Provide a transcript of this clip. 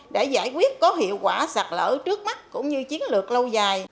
để giải quyết có hiệu quả sạc lỡ trước mắt cũng như chiến lược lâu dài